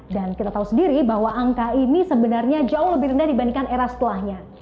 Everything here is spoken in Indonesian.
dan kita tahu sendiri bahwa angka ini sebenarnya jauh lebih rendah dibandingkan era setelahnya